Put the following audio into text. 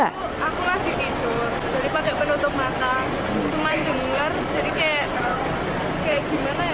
aku lagi tidur jadi pakai penutup mata cuma dengar jadi kayak kayak gimana ya